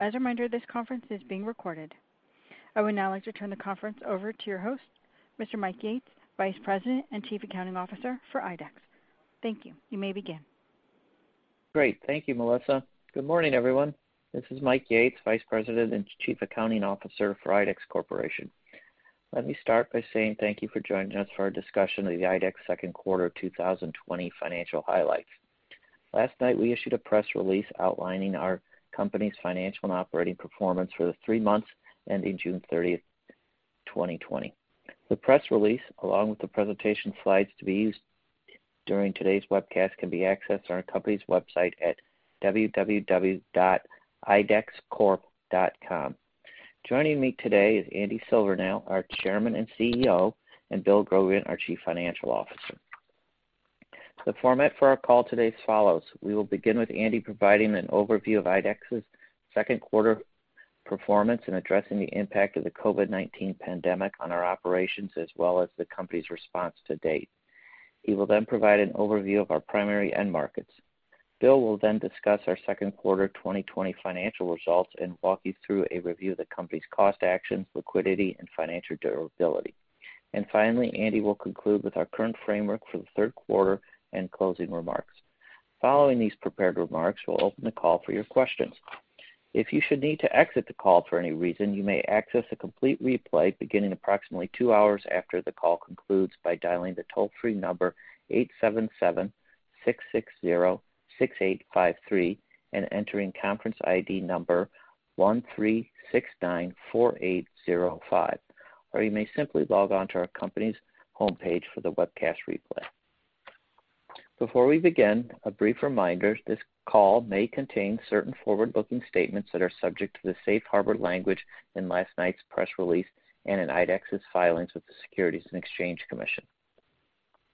As a reminder, this conference is being recorded. I would now like to turn the conference over to your host, Mr. Mike Yates, Vice President and Chief Accounting Officer for IDEX. Thank you. You may begin. Great. Thank you, Melissa. Good morning, everyone. This is Mike Yates, Vice President and Chief Accounting Officer for IDEX Corporation. Let me start by saying thank you for joining us for our discussion of the IDEX second quarter 2020 financial highlights. Last night, we issued a press release outlining our company's financial and operating performance for the three months ending June 30th, 2020. The press release, along with the presentation slides to be used during today's webcast, can be accessed on our company's website at www.idexcorp.com. Joining me today is Andy Silvernail, our Chairman and CEO, and Bill Grogan, our Chief Financial Officer. The format for our call today follows. We will begin with Andy providing an overview of IDEX's second quarter performance and addressing the impact of the COVID-19 pandemic on our operations as well as the company's response to date. He will then provide an overview of our primary end markets. Bill will then discuss our second quarter 2020 financial results and walk you through a review of the company's cost actions, liquidity, and financial durability. Finally, Andy will conclude with our current framework for the third quarter and closing remarks. Following these prepared remarks, we'll open the call for your questions. If you should need to exit the call for any reason, you may access a complete replay beginning approximately two hours after the call concludes by dialing the toll-free number 877-660-6853 and entering conference ID number 13,694,805. You may simply log on to our company's homepage for the webcast replay. Before we begin, a brief reminder, this call may contain certain forward-looking statements that are subject to the safe harbor language in last night's press release and in IDEX's filings with the Securities and Exchange Commission.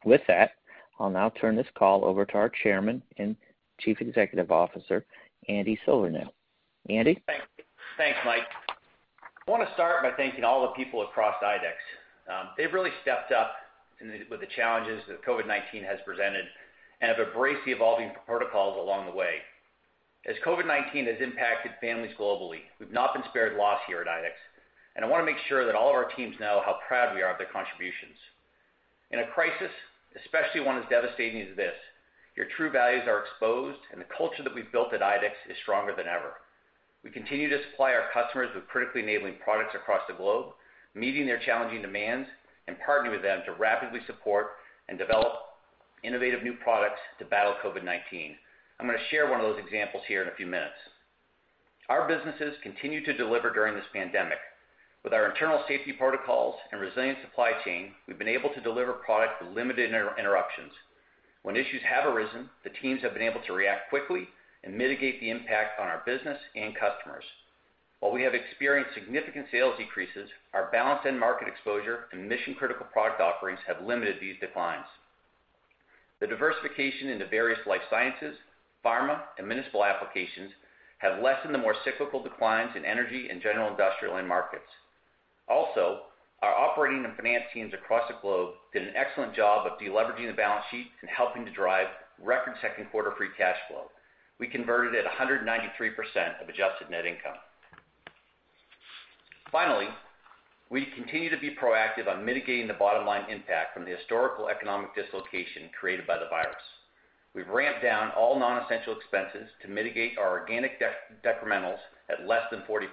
With that, I'll now turn this call over to our Chairman and Chief Executive Officer, Andy Silvernail. Andy? Thanks, Mike. I want to start by thanking all the people across IDEX. They've really stepped up with the challenges that COVID-19 has presented and have embraced the evolving protocols along the way. As COVID-19 has impacted families globally, we've not been spared loss here at IDEX, and I want to make sure that all of our teams know how proud we are of their contributions. In a crisis, especially one as devastating as this, your true values are exposed and the culture that we've built at IDEX is stronger than ever. We continue to supply our customers with critically enabling products across the globe, meeting their challenging demands, and partnering with them to rapidly support and develop innovative new products to battle COVID-19. I'm going to share one of those examples here in a few minutes. Our businesses continue to deliver during this pandemic. With our internal safety protocols and resilient supply chain, we've been able to deliver product with limited interruptions. When issues have arisen, the teams have been able to react quickly and mitigate the impact on our business and customers. While we have experienced significant sales decreases, our balanced end market exposure and mission-critical product offerings have limited these declines. The diversification into various life sciences, pharma, and municipal applications have lessened the more cyclical declines in energy and general industrial end markets. Also, our operating and finance teams across the globe did an excellent job of de-leveraging the balance sheet and helping to drive record second quarter free cash flow. We converted at 193% of adjusted net income. Finally, we continue to be proactive on mitigating the bottom-line impact from the historical economic dislocation created by the virus. We've ramped down all non-essential expenses to mitigate our organic detrimentals at less than 40%.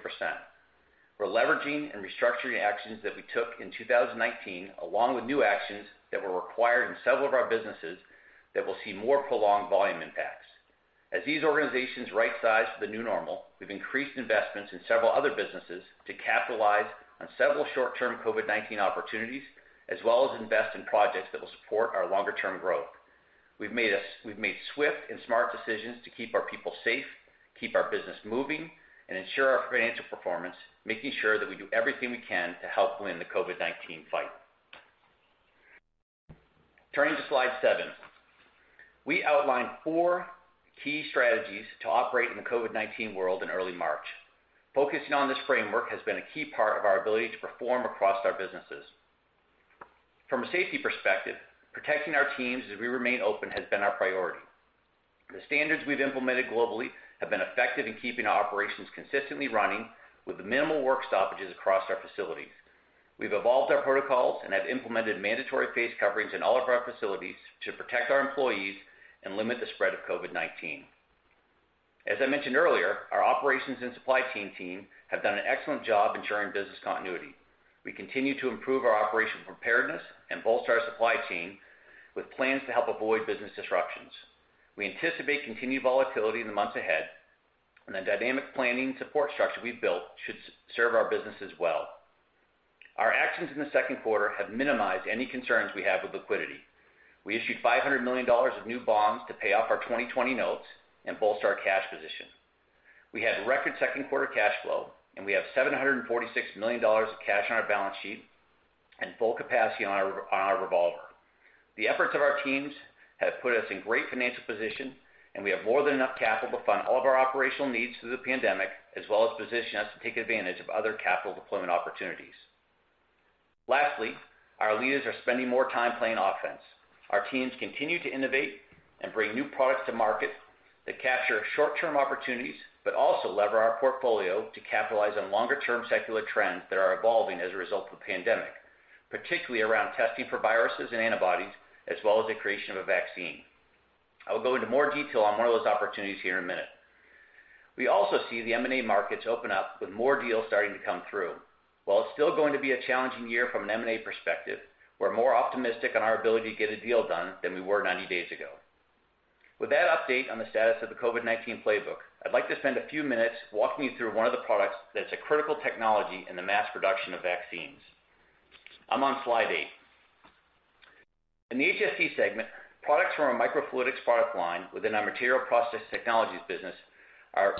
We're leveraging and restructuring actions that we took in 2019, along with new actions that were required in several of our businesses that will see more prolonged volume impacts. As these organizations right-size to the new normal, we've increased investments in several other businesses to capitalize on several short-term COVID-19 opportunities, as well as invest in projects that will support our longer-term growth. We've made swift and smart decisions to keep our people safe, keep our business moving, and ensure our financial performance, making sure that we do everything we can to help win the COVID-19 fight. Turning to slide seven. We outlined four key strategies to operate in the COVID-19 world in early March. Focusing on this framework has been a key part of our ability to perform across our businesses. From a safety perspective, protecting our teams as we remain open has been our priority. The standards we've implemented globally have been effective in keeping our operations consistently running with minimal work stoppages across our facilities. We've evolved our protocols and have implemented mandatory face coverings in all of our facilities to protect our employees and limit the spread of COVID-19. As I mentioned earlier, our operations and supply chain team have done an excellent job ensuring business continuity. We continue to improve our operational preparedness and bolster our supply chain with plans to help avoid business disruptions. We anticipate continued volatility in the months ahead, and the dynamic planning support structure we've built should serve our businesses well. Our actions in the second quarter have minimized any concerns we have with liquidity. We issued $500 million of new bonds to pay off our 2020 notes and bolster our cash position. We had record second quarter cash flow, and we have $746 million of cash on our balance sheet and full capacity on our revolver. The efforts of our teams have put us in great financial position, and we have more than enough capital to fund all of our operational needs through the pandemic, as well as position us to take advantage of other capital deployment opportunities. Lastly, our leaders are spending more time playing offense. Our teams continue to innovate and bring new products to market that capture short-term opportunities, but also lever our portfolio to capitalize on longer-term secular trends that are evolving as a result of the pandemic, particularly around testing for viruses and antibodies, as well as the creation of a vaccine. I will go into more detail on one of those opportunities here in a minute. We also see the M&A markets open up with more deals starting to come through. While it's still going to be a challenging year from an M&A perspective, we're more optimistic on our ability to get a deal done than we were 90 days ago. With that update on the status of the COVID-19 playbook, I'd like to spend a few minutes walking you through one of the products that's a critical technology in the mass production of vaccines. I'm on slide eight. In the HST segment, products from our Microfluidics product line within our Material Processing Technologies business are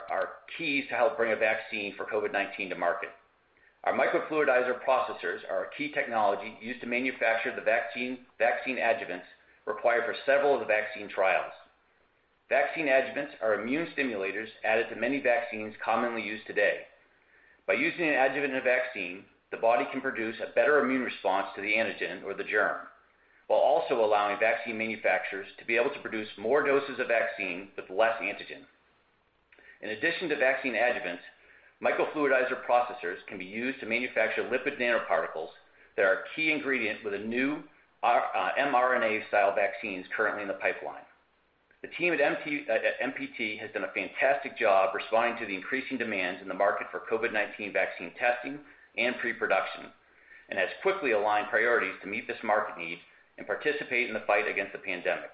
key to help bring a vaccine for COVID-19 to market. Our Microfluidizer processors are a key technology used to manufacture the vaccine adjuvants required for several of the vaccine trials. Vaccine adjuvants are immune stimulators added to many vaccines commonly used today. By using an adjuvant in a vaccine, the body can produce a better immune response to the antigen or the germ, while also allowing vaccine manufacturers to be able to produce more doses of vaccine with less antigen. In addition to vaccine adjuvants, Microfluidizer processors can be used to manufacture lipid nanoparticles that are a key ingredient with new mRNA-style vaccines currently in the pipeline. The team at MPT has done a fantastic job responding to the increasing demands in the market for COVID-19 vaccine testing and pre-production, has quickly aligned priorities to meet this market need and participate in the fight against the pandemic.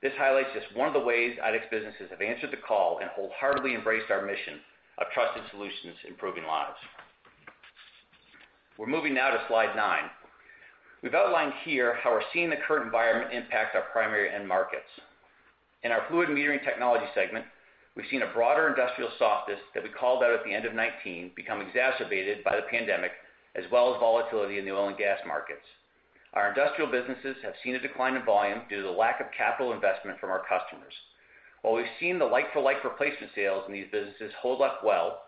This highlights just one of the ways IDEX businesses have answered the call and wholeheartedly embraced our mission of trusted solutions improving lives. We're moving now to slide nine. We've outlined here how we're seeing the current environment impact our primary end markets. In our Fluid & Metering Technologies segment, we've seen a broader industrial softness that we called out at the end of FY19 become exacerbated by the pandemic, as well as volatility in the oil and gas markets. Our industrial businesses have seen a decline in volume due to the lack of capital investment from our customers. While we've seen the like-for-like replacement sales in these businesses hold up well,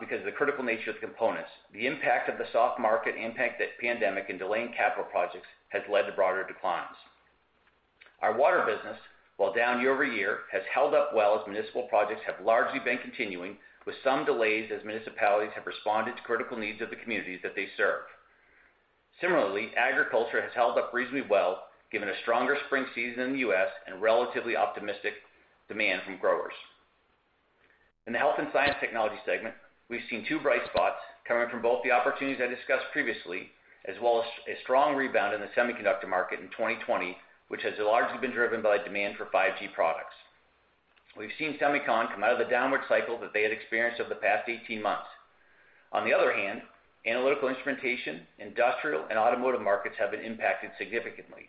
because of the critical nature of the components, the impact of the soft market impact that pandemic and delaying capital projects has led to broader declines. Our water business, while down year-over-year, has held up well as municipal projects have largely been continuing, with some delays as municipalities have responded to critical needs of the communities that they serve. Similarly, agriculture has held up reasonably well, given a stronger spring season in the U.S. and relatively optimistic demand from growers. In the Health & Science Technologies segment, we've seen two bright spots coming from both the opportunities I discussed previously, as well as a strong rebound in the semiconductor market in 2020, which has largely been driven by demand for 5G products. We've seen semicon come out of the downward cycle that they had experienced over the past 18 months. Analytical Instrumentation, industrial, and automotive markets have been impacted significantly.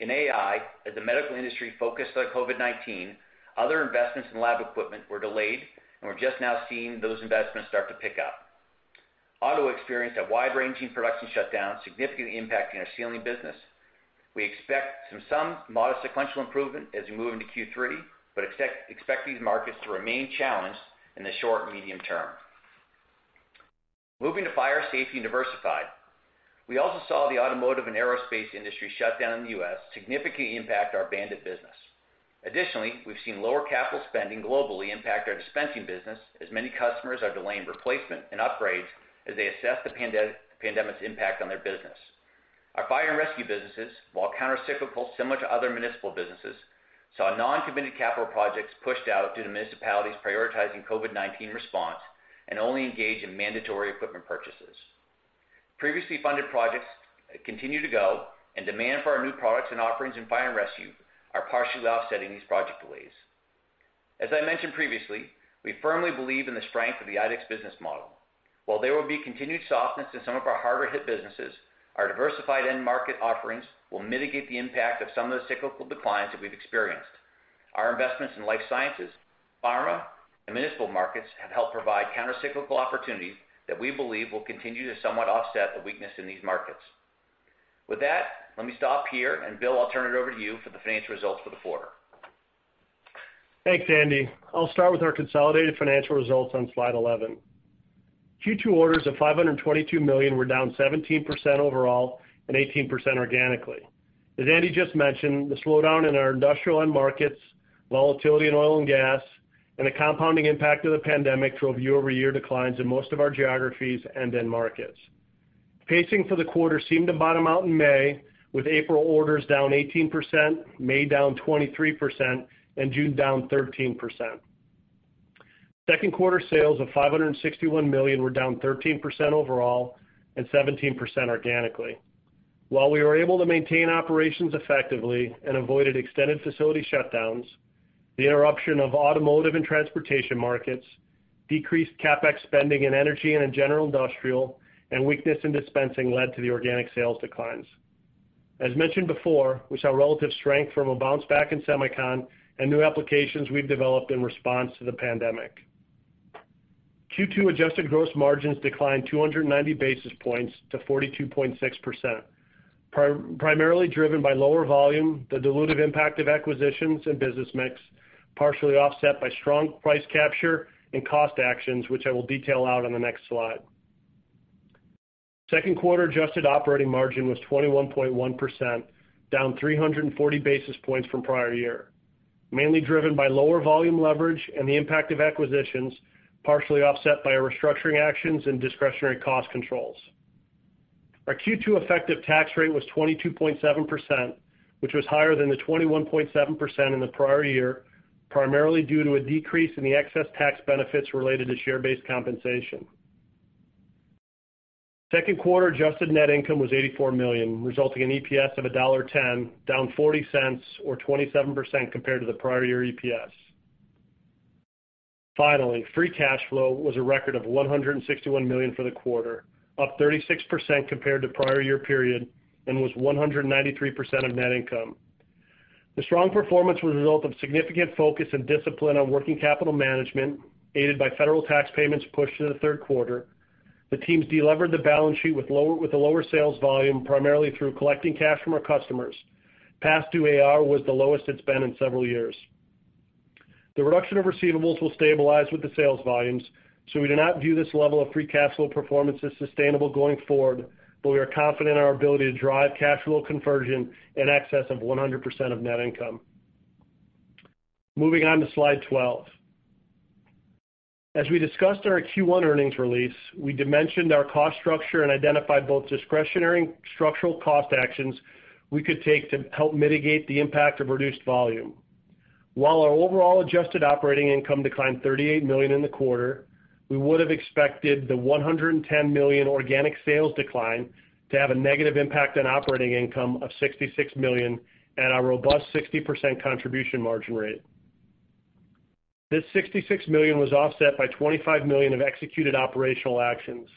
In AI, as the medical industry focused on COVID-19, other investments in lab equipment were delayed, we're just now seeing those investments start to pick up. Auto experienced a wide-ranging production shutdown, significantly impacting our sealing business. We expect some modest sequential improvement as we move into Q3, but expect these markets to remain challenged in the short and medium term. Moving to Fire & Safety/Diversified Products. We also saw the automotive and aerospace industry shut down in the U.S., significantly impact our BAND-IT business. Additionally, we've seen lower capital spending globally impact our dispensing business, as many customers are delaying replacement and upgrades as they assess the pandemic's impact on their business. Our fire and rescue businesses, while counter-cyclical, similar to other municipal businesses, saw non-committed capital projects pushed out due to municipalities prioritizing COVID-19 response and only engage in mandatory equipment purchases. Previously funded projects continue to go, and demand for our new products and offerings in fire and rescue are partially offsetting these project delays. As I mentioned previously, we firmly believe in the strength of the IDEX business model. While there will be continued softness in some of our harder hit businesses, our diversified end market offerings will mitigate the impact of some of the cyclical declines that we've experienced. Our investments in life sciences, pharma, and municipal markets have helped provide counter-cyclical opportunities that we believe will continue to somewhat offset the weakness in these markets. With that, let me stop here, and Bill, I'll turn it over to you for the financial results for the quarter. Thanks, Andy. I'll start with our consolidated financial results on slide 11. Q2 orders of $522 million were down 17% overall and 18% organically. As Andy just mentioned, the slowdown in our industrial end markets, volatility in oil and gas, and the compounding impact of the pandemic drove year-over-year declines in most of our geographies and end markets. Pacing for the quarter seemed to bottom out in May, with April orders down 18%, May down 23%, and June down 13%. Second quarter sales of $561 million were down 13% overall and 17% organically. While we were able to maintain operations effectively and avoided extended facility shutdowns, the interruption of automotive and transportation markets decreased CapEx spending in energy and in general industrial and weakness in dispensing led to the organic sales declines. As mentioned before, we saw relative strength from a bounce back in semicon and new applications we've developed in response to the pandemic. Q2 adjusted gross margins declined 290 basis points to 42.6%. Primarily driven by lower volume, the dilutive impact of acquisitions and business mix, partially offset by strong price capture and cost actions, which I will detail out on the next slide. Second quarter adjusted operating margin was 21.1%, down 340 basis points from prior year, mainly driven by lower volume leverage and the impact of acquisitions, partially offset by our restructuring actions and discretionary cost controls. Our Q2 effective tax rate was 22.7%, which was higher than the 21.7% in the prior year, primarily due to a decrease in the excess tax benefits related to share-based compensation. Second quarter adjusted net income was $84 million, resulting in EPS of $1.10, down $0.40 or 27% compared to the prior year EPS. Free cash flow was a record of $161 million for the quarter, up 36% compared to prior year period, and was 193% of net income. The strong performance was a result of significant focus and discipline on working capital management, aided by federal tax payments pushed to the third quarter. The teams de-levered the balance sheet with a lower sales volume, primarily through collecting cash from our customers. Past due AR was the lowest it's been in several years. The reduction of receivables will stabilize with the sales volumes, so we do not view this level of free cash flow performance as sustainable going forward, but we are confident in our ability to drive cash flow conversion in excess of 100% of net income. Moving on to slide 12. As we discussed in our Q1 earnings release, we dimensioned our cost structure and identified both discretionary structural cost actions we could take to help mitigate the impact of reduced volume. While our overall adjusted operating income declined $38 million in the quarter, we would have expected the $110 million organic sales decline to have a negative impact on operating income of $66 million at our robust 60% contribution margin rate. This $66 million was offset by $25 million of executed operational actions.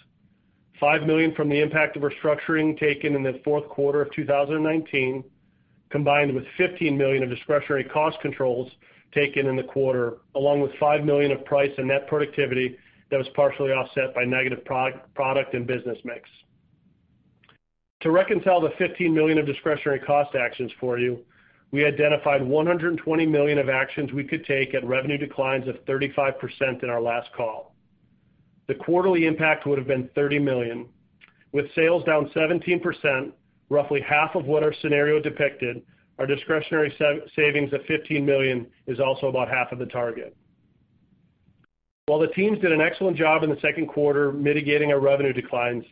$5 million from the impact of restructuring taken in the fourth quarter of 2019, combined with $15 million of discretionary cost controls taken in the quarter, along with $5 million of price and net productivity that was partially offset by negative product and business mix. To reconcile the $15 million of discretionary cost actions for you, we identified $120 million of actions we could take at revenue declines of 35% in our last call. The quarterly impact would have been $30 million. With sales down 17%, roughly half of what our scenario depicted, our discretionary savings of $15 million is also about half of the target. While the teams did an excellent job in the second quarter mitigating our revenue declines,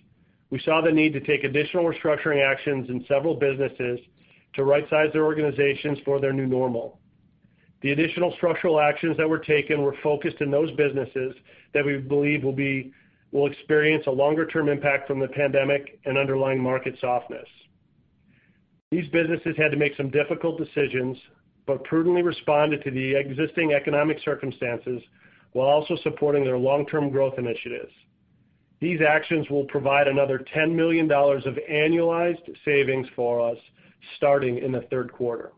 we saw the need to take additional restructuring actions in several businesses to rightsize their organizations for their new normal. The additional structural actions that were taken were focused in those businesses that we believe will experience a longer-term impact from the pandemic and underlying market softness. These businesses had to make some difficult decisions, but prudently responded to the existing economic circumstances while also supporting their long-term growth initiatives. These actions will provide another $10 million of annualized savings for us starting in the third quarter.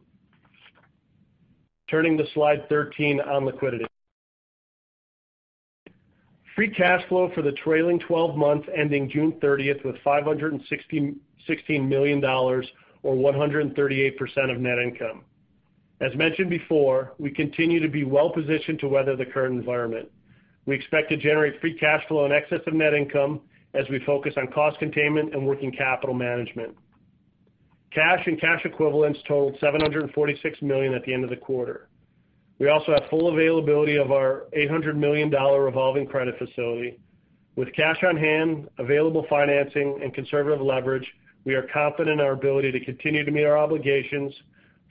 Turning to slide 13 on liquidity. Free cash flow for the trailing 12 months ending June 30th was $516 million, or 138% of net income. As mentioned before, we continue to be well-positioned to weather the current environment. We expect to generate free cash flow in excess of net income as we focus on cost containment and working capital management. Cash and cash equivalents totaled $746 million at the end of the quarter. We also have full availability of our $800 million revolving credit facility. With cash on hand, available financing and conservative leverage, we are confident in our ability to continue to meet our obligations,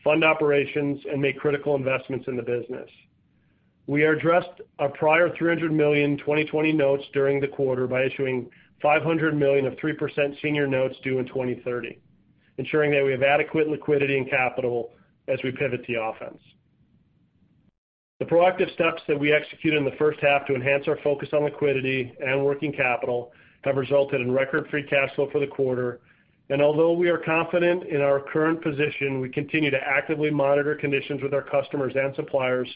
fund operations, and make critical investments in the business. We addressed our prior $300 million 2020 notes during the quarter by issuing $500 million of 3% senior notes due in 2030, ensuring that we have adequate liquidity and capital as we pivot to offense. The proactive steps that we executed in the first half to enhance our focus on liquidity and working capital have resulted in record free cash flow for the quarter. Although we are confident in our current position, we continue to actively monitor conditions with our customers and suppliers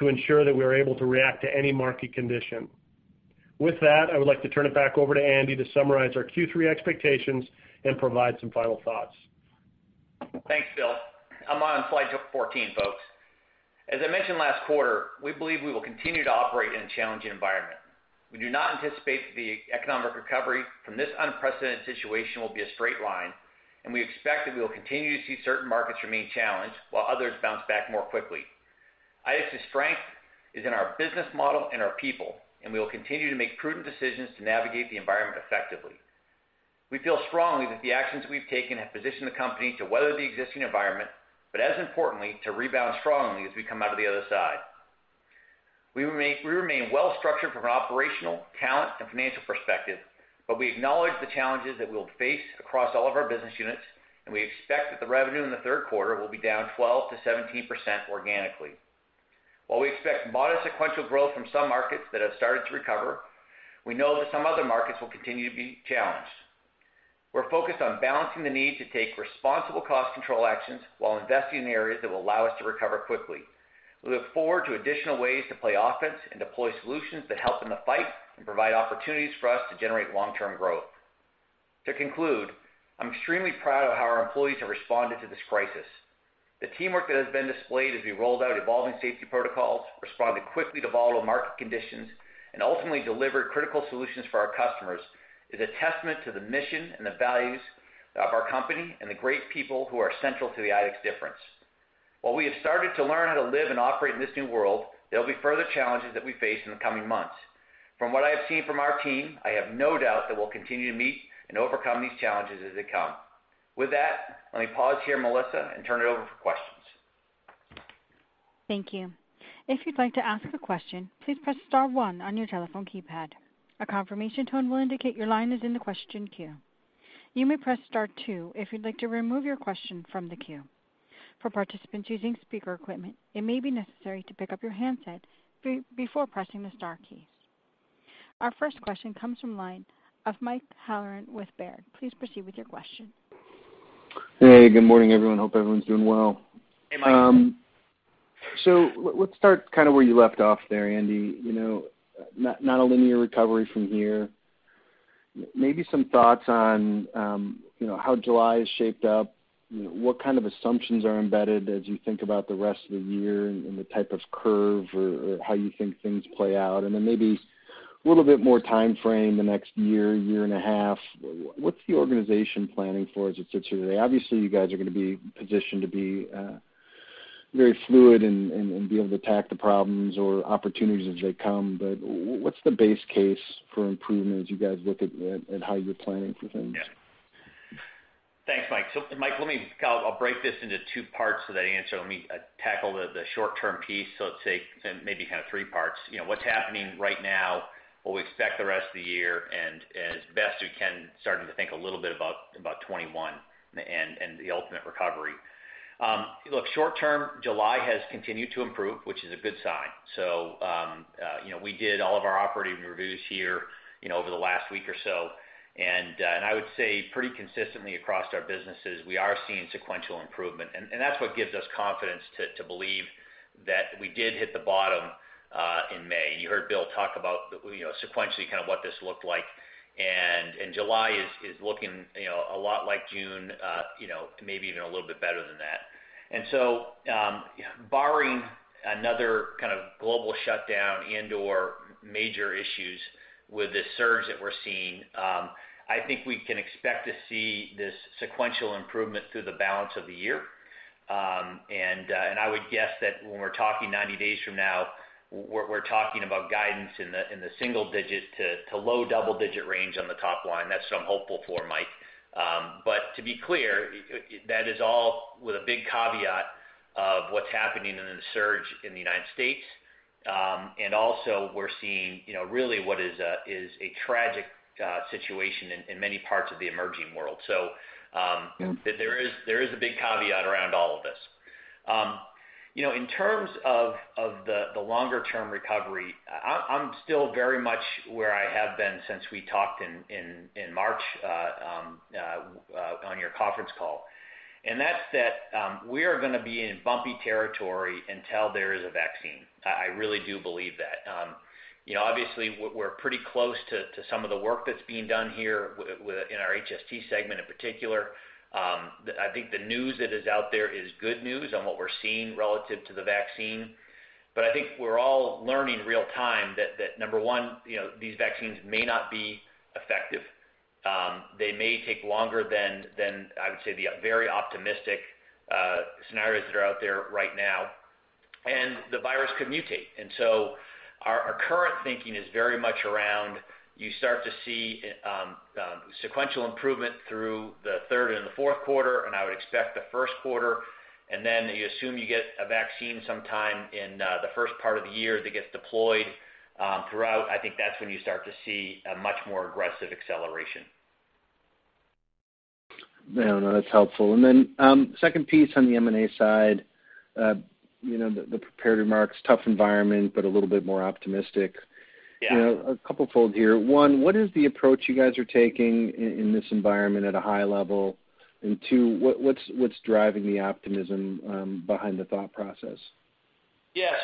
to ensure that we are able to react to any market condition. With that, I would like to turn it back over to Andy to summarize our Q3 expectations and provide some final thoughts. Thanks, Bill. I'm on slide 14, folks. As I mentioned last quarter, we believe we will continue to operate in a challenging environment. We do not anticipate that the economic recovery from this unprecedented situation will be a straight line, and we expect that we will continue to see certain markets remain challenged while others bounce back more quickly. IDEX's strength is in our business model and our people, and we will continue to make prudent decisions to navigate the environment effectively. We feel strongly that the actions we've taken have positioned the company to weather the existing environment, but as importantly, to rebound strongly as we come out of the other side. We remain well-structured from an operational, talent, and financial perspective, but we acknowledge the challenges that we'll face across all of our business units, and we expect that the revenue in the third quarter will be down 12%-17% organically. While we expect modest sequential growth from some markets that have started to recover, we know that some other markets will continue to be challenged. We're focused on balancing the need to take responsible cost control actions while investing in areas that will allow us to recover quickly. We look forward to additional ways to play offense and deploy solutions that help in the fight and provide opportunities for us to generate long-term growth. To conclude, I'm extremely proud of how our employees have responded to this crisis. The teamwork that has been displayed as we rolled out evolving safety protocols, responded quickly to volatile market conditions, and ultimately delivered critical solutions for our customers, is a testament to the mission and the values of our company and the great people who are central to the IDEX difference. While we have started to learn how to live and operate in this new world, there'll be further challenges that we face in the coming months. From what I have seen from our team, I have no doubt that we'll continue to meet and overcome these challenges as they come. With that, let me pause here, Melissa, and turn it over for questions. Thank you. If you'd like to ask a question, please press star one on your telephone keypad. A confirmation tone will indicate your line is in the question queue. You may press star two if you'd like to remove your question from the queue. For participants using speaker equipment, it may be necessary to pick up your handset before pressing the star keys. Our first question comes from line of Mike Halloran with Baird. Please proceed with your question. Hey, good morning, everyone. Hope everyone's doing well. Hey, Mike. Let's start kind of where you left off there, Andy. Not a linear recovery from here. Maybe some thoughts on how July has shaped up. What kind of assumptions are embedded as you think about the rest of the year and the type of curve or how you think things play out? Then maybe a little bit more time frame the next year and a half. What's the organization planning for as it sits here today? Obviously, you guys are going to be positioned to be very fluid and be able to attack the problems or opportunities as they come. What's the base case for improvement as you guys look at how you're planning for things? Yeah. Thanks, Mike. Mike, I'll break this into two parts to that answer. Let me tackle the short term piece. Let's take maybe kind of three parts. What's happening right now, what we expect the rest of the year, and as best we can, starting to think a little bit about 2021 and the ultimate recovery. Look, short term, July has continued to improve, which is a good sign. We did all of our operating reviews here over the last week or so, and I would say pretty consistently across our businesses, we are seeing sequential improvement, and that's what gives us confidence to believe that we did hit the bottom in May. You heard Bill talk about sequentially what this looked like. July is looking a lot like June, maybe even a little bit better than that. Barring another kind of global shutdown and/or major issues with the surge that we're seeing, I think we can expect to see this sequential improvement through the balance of the year. I would guess that when we're talking 90 days from now, we're talking about guidance in the single-digit to low double-digit range on the top line. That's what I'm hopeful for, Mike. To be clear, that is all with a big caveat of what's happening in the surge in the U.S. Also we're seeing really what is a tragic situation in many parts of the emerging world. There is a big caveat around all of this. In terms of the longer term recovery, I'm still very much where I have been since we talked in March on your conference call, and that's that we are going to be in bumpy territory until there is a vaccine. I really do believe that. Obviously, we're pretty close to some of the work that's being done here in our HST segment in particular. I think the news that is out there is good news on what we're seeing relative to the vaccine. I think we're all learning real time that number one, these vaccines may not be effective. They may take longer than I would say the very optimistic scenarios that are out there right now. The virus could mutate. Our current thinking is very much around you start to see sequential improvement through the third and the fourth quarter, and I would expect the first quarter, and then you assume you get a vaccine sometime in the first part of the year that gets deployed throughout. I think that's when you start to see a much more aggressive acceleration. No, no, that's helpful. Second piece on the M&A side, the prepared remarks, tough environment, but a little bit more optimistic. Yeah. A couple fold here. One, what is the approach you guys are taking in this environment at a high level? Two, what's driving the optimism behind the thought process? Yeah. At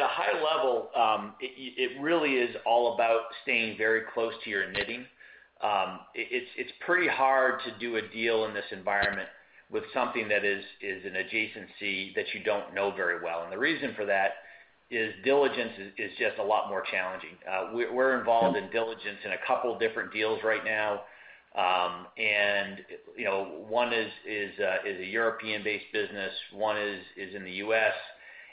a high level, it really is all about staying very close to your knitting. It's pretty hard to do a deal in this environment with something that is an adjacency that you don't know very well. The reason for that is diligence is just a lot more challenging. We're involved in diligence in a couple different deals right now. One is a European-based business, one is in the U.S.,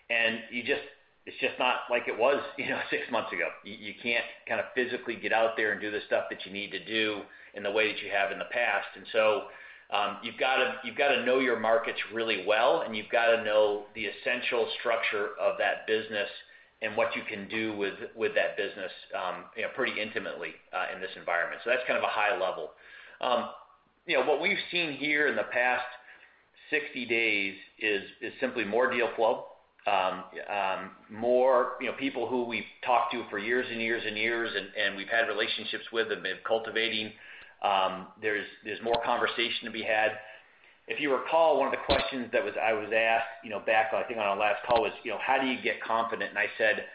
and it's just not like it was six months ago. You can't physically get out there and do the stuff that you need to do in the way that you have in the past. You've got to know your markets really well, and you've got to know the essential structure of that business and what you can do with that business pretty intimately in this environment. That's kind of a high level. What we've seen here in the past 60 days is simply more deal flow. More people who we've talked to for years and years and years, and we've had relationships with and been cultivating. There's more conversation to be had. If you recall, one of the questions that I was asked, back, I think, on our last call was, "How do you get confident?" I said,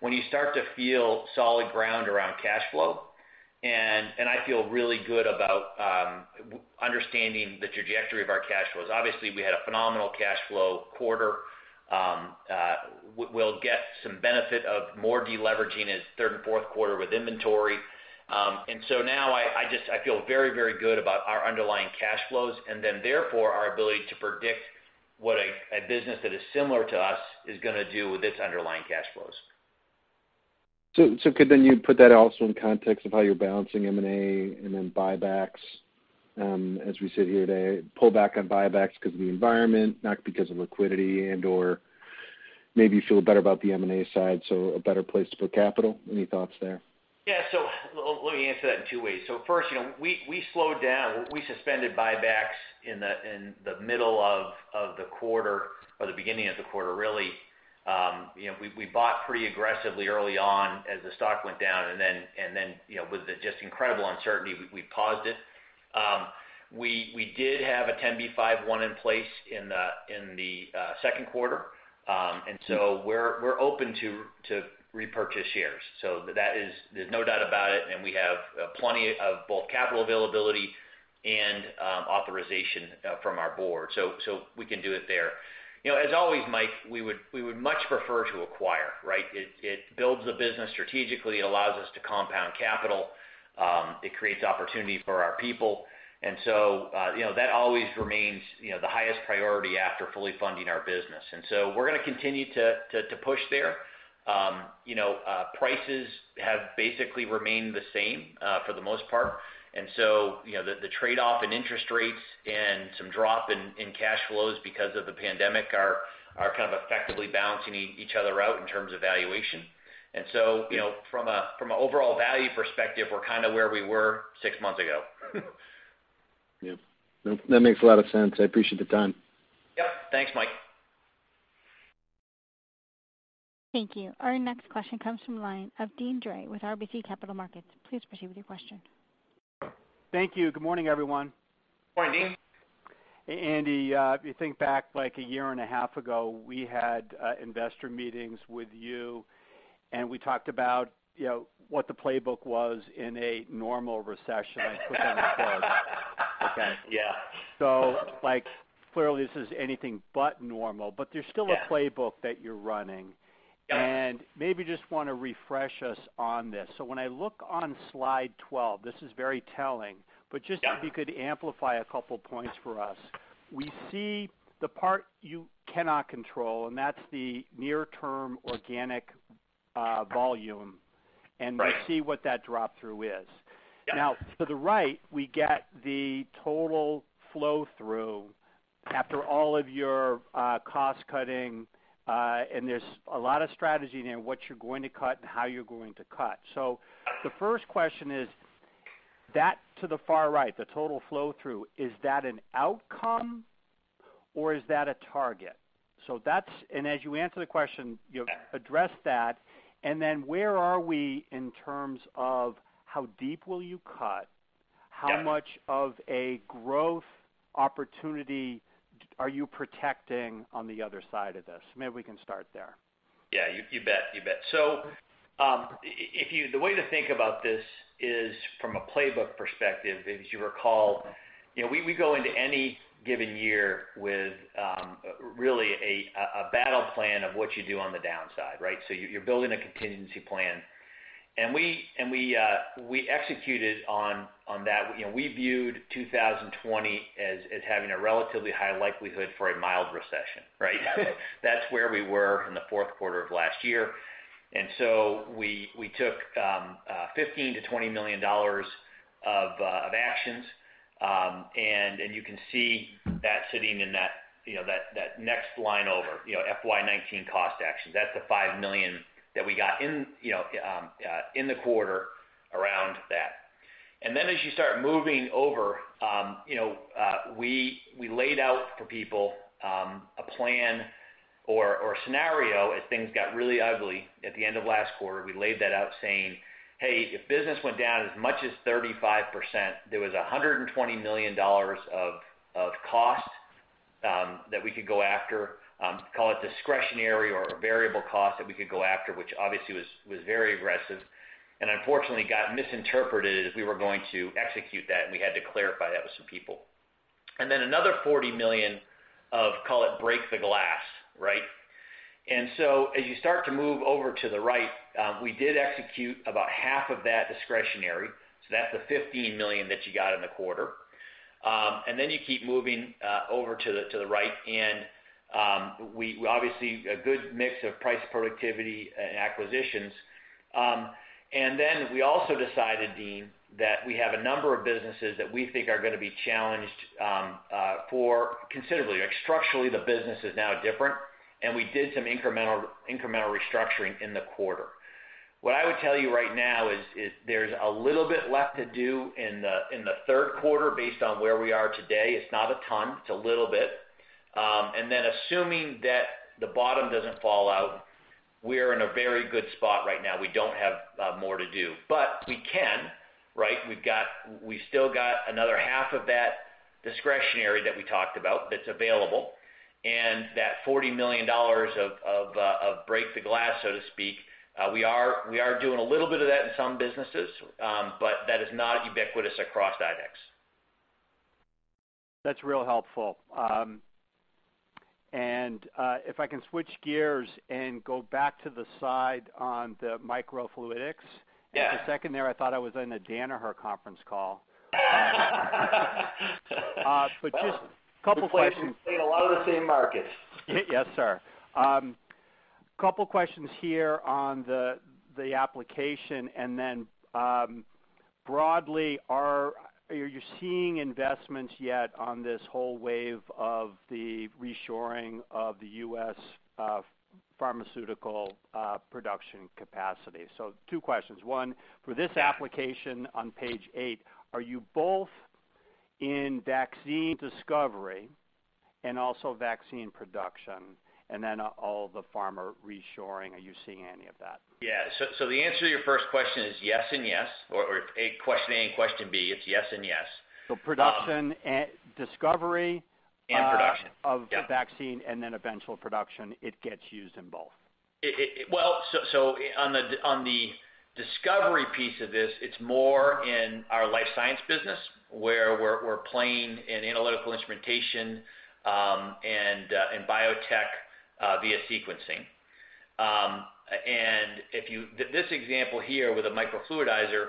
"When you start to feel solid ground around cash flow." I feel really good about understanding the trajectory of our cash flows. Obviously, we had a phenomenal cash flow quarter. We'll get some benefit of more deleveraging as third and fourth quarter with inventory. Now I feel very, very good about our underlying cash flows, and then therefore our ability to predict what a business that is similar to us is going to do with its underlying cash flows. Could then you put that also in context of how you're balancing M&A and then buybacks as we sit here today, pull back on buybacks because of the environment, not because of liquidity and/or maybe you feel better about the M&A side, so a better place to put capital? Any thoughts there? Yeah. Let me answer that in two ways. First, we slowed down. We suspended buybacks in the middle of the quarter or the beginning of the quarter, really. We bought pretty aggressively early on as the stock went down, and then with the just incredible uncertainty, we paused it. We did have a 10b5-1 in place in the second quarter. We're open to repurchase shares. There's no doubt about it, and we have plenty of both capital availability and authorization from our board. We can do it there. As always, Mike, we would much prefer to acquire, right? It builds the business strategically. It allows us to compound capital. It creates opportunity for our people. That always remains the highest priority after fully funding our business. We're going to continue to push there. Prices have basically remained the same for the most part. The trade-off in interest rates and some drop in cash flows because of the pandemic are kind of effectively balancing each other out in terms of valuation. From an overall value perspective, we're kind of where we were six months ago. Yep. That makes a lot of sense. I appreciate the time. Yep. Thanks, Mike. Thank you. Our next question comes from the line of Deane Dray with RBC Capital Markets. Please proceed with your question. Thank you. Good morning, everyone. Morning. Andy, if you think back like a year and a half ago, we had investor meetings with you, and we talked about what the playbook was in a normal recession. I put that in quotes. Okay. Yeah. Clearly this is anything but normal, but there's still- Yeah. ...a playbook that you're running. Yeah. Maybe just want to refresh us on this. When I look on slide 12, this is very telling. Yeah. If you could amplify a couple points for us. We see the part you cannot control, and that's the near-term organic volume. Right. We see what that drop-through is. Yeah. To the right, we get the total flow-through after all of your cost-cutting, and there's a lot of strategy there, what you're going to cut and how you're going to cut. The first question is, that to the far right, the total flow-through, is that an outcome or is that a target? As you answer the question, you address that, and then where are we in terms of how deep will you cut? Yeah. How much of a growth opportunity are you protecting on the other side of this? Maybe we can start there. Yeah, you bet. The way to think about this is from a playbook perspective. As you recall, we go into any given year with really a battle plan of what you do on the downside, right? You're building a contingency plan. We executed on that. We viewed 2020 as having a relatively high likelihood for a mild recession, right? That's where we were in the fourth quarter of last year. We took $15 million-$20 million of actions. You can see that sitting in that next line over, FY19 cost actions. That's the $5 million that we got in the quarter around that. As you start moving over, we laid out for people, a plan or a scenario if things got really ugly at the end of last quarter. We laid that out saying, "Hey, if business went down as much as 35%," there was $120 million of cost that we could go after. Call it discretionary or variable cost that we could go after, which obviously was very aggressive and unfortunately got misinterpreted as we were going to execute that, and we had to clarify that with some people. Another $40 million of call it break the glass, right. As you start to move over to the right, we did execute about half of that discretionary, so that's the $15 million that you got in the quarter. You keep moving over to the right, we obviously a good mix of price, productivity, and acquisitions. We also decided, Deane, that we have a number of businesses that we think are going to be challenged for considerably. Like structurally, the business is now different, and we did some incremental restructuring in the quarter. What I would tell you right now is there's a little bit left to do in the third quarter based on where we are today. It's not a ton, it's a little bit. Assuming that the bottom doesn't fall out, we are in a very good spot right now. We don't have more to do. We can, right? We've still got another half of that discretionary that we talked about that's available, and that $40 million of break the glass, so to speak. We are doing a little bit of that in some businesses, but that is not ubiquitous across IDEX. That's real helpful. If I can switch gears and go back to the side on the Microfluidics. Yeah. For a second there, I thought I was in a Danaher conference call. Just couple questions. We play in a lot of the same markets. Yes, sir. Couple questions here on the application. Broadly, are you seeing investments yet on this whole wave of the reshoring of the U.S. pharmaceutical production capacity? Two questions. One, for this application on page eight, are you both in vaccine discovery and also vaccine production? All the pharma reshoring, are you seeing any of that? Yeah. The answer to your first question is yes and yes. Question A and question B, it's yes and yes. Production and discovery. Production, yeah. ...of the vaccine, and then eventual production, it gets used in both. On the discovery piece of this, it's more in our life science business where we're playing in Analytical Instrumentation, and in biotech via sequencing. This example here with a Microfluidizer,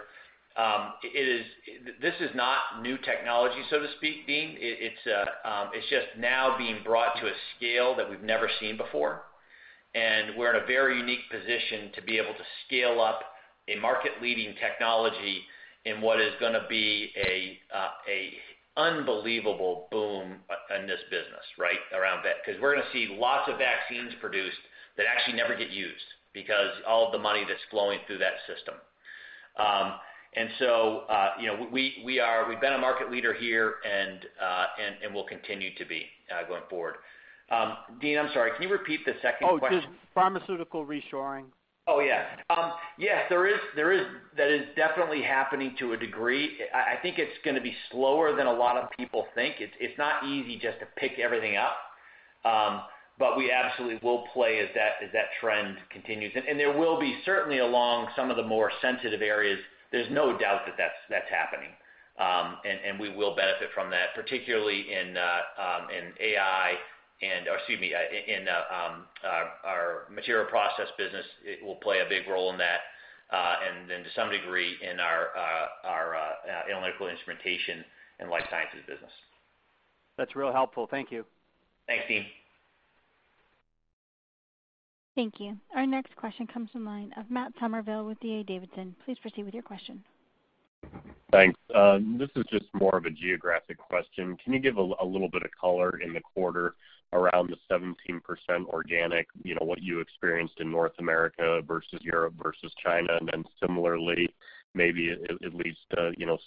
this is not new technology, so to speak, Deane. It's just now being brought to a scale that we've never seen before. We're in a very unique position to be able to scale up a market-leading technology in what is going to be an unbelievable boom in this business, right, around that, because we're going to see lots of vaccines produced that actually never get used because all of the money that's flowing through that system. We've been a market leader here and will continue to be, going forward. Deane, I'm sorry. Can you repeat the second question? Oh, just pharmaceutical reshoring. Oh, yeah. Yes, that is definitely happening to a degree. I think it's going to be slower than a lot of people think. It's not easy just to pick everything up. We absolutely will play as that trend continues. There will be certainly along some of the more sensitive areas, there's no doubt that that's happening. We will benefit from that, particularly in our Material Processing Technologies business, it will play a big role in that. To some degree, in our Analytical Instrumentation and life sciences business. That's real helpful. Thank you. Thanks, Deane. Thank you. Our next question comes from the line of Matt Summerville with D.A. Davidson. Please proceed with your question. Thanks. This is just more of a geographic question. Can you give a little bit of color in the quarter around the 17% organic, what you experienced in North America versus Europe versus China? Similarly, maybe at least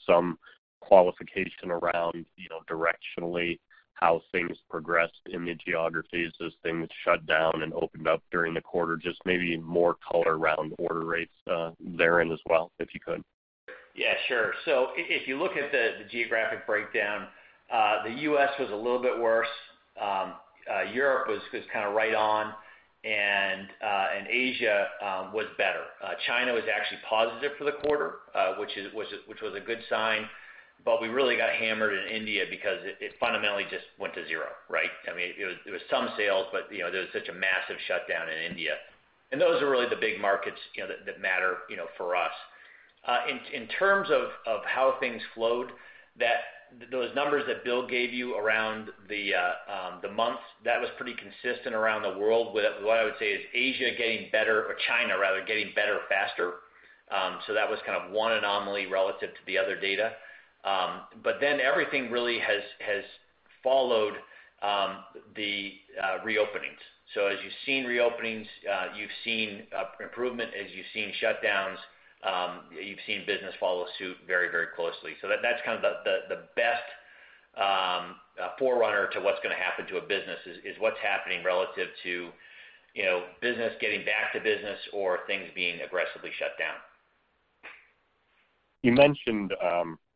some qualification around directionally how things progressed in the geographies as things shut down and opened up during the quarter, just maybe more color around order rates therein as well, if you could. Yeah, sure. If you look at the geographic breakdown, the U.S. was a little bit worse. Europe was kind of right on and Asia was better. China was actually positive for the quarter, which was a good sign. We really got hammered in India because it fundamentally just went to zero, right? There was some sales, but there was such a massive shutdown in India. Those are really the big markets that matter for us. In terms of how things flowed, those numbers that Bill gave you around the months, that was pretty consistent around the world. What I would say is Asia getting better, or China rather, getting better faster. That was kind of one anomaly relative to the other data. Everything really has followed the reopenings. As you've seen reopenings, you've seen improvement. As you've seen shutdowns, you've seen business follow suit very closely. That's kind of the best forerunner to what's going to happen to a business, is what's happening relative to business getting back to business or things being aggressively shut down. You mentioned